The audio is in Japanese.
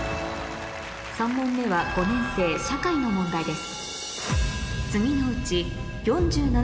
３問目は５年生社会の問題です